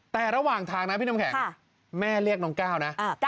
แต่ระหว่างทางนะพี่น้ำแข็งแม่เรียกน้องก้าวนะ